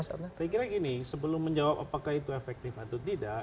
saya kira gini sebelum menjawab apakah itu efektif atau tidak